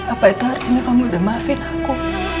apa itu artinya kamu udah maafin aku